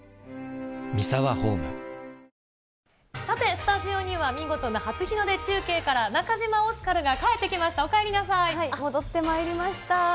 さて、スタジオには見事な初日の出中継から、中島オスカルが帰ってきま戻ってまいりました。